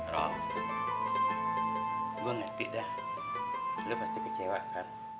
roh gue ngerti dah lo pasti kecewa kan